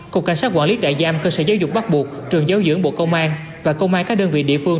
cục cảnh sát quản lý trại giam cơ sở giáo dục bắt buộc trường giáo dưỡng bộ công an và công an các đơn vị địa phương